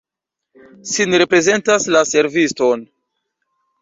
Sin reprezentas la serviston.